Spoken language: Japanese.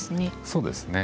そうですね。